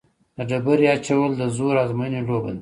د ډبرې اچول د زور ازموینې لوبه ده.